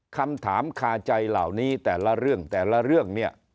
คำถามคาใจเหล่านี้แต่ละเรื่องแต่ละเรื่องเนี่ย